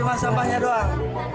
kami menerima sampahnya doang